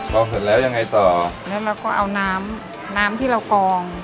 เราเห็นแล้วยังไงต่อแล้วเราก็เอาน้ำน้ำที่เรากอง